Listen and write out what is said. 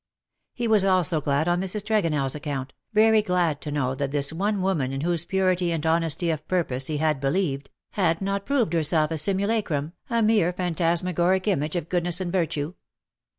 He was glad also on Mrs. TregonelFs account, very glad to know that this one woman in whose purity and honesty of purpose he had believed, had not proved herself a simulacrum, a mere phantasma goric image of goodness and virtue.